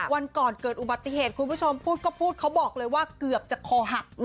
วันก่อนเกิดอุบัติเหตุคุณผู้ชมพูดก็พูดเขาบอกเลยว่าเกือบจะคอหัก